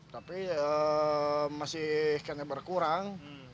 tapi masih kena berkurang